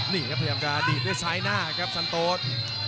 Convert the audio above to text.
นี่ครับพยายามจะดีดด้วยซ้ายหน้าครับซันโต๊ด